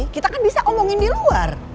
kita kan bisa omongin di luar